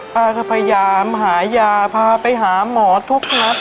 ป้าก็พยายามหายาพาไปหาหมอทุกนัด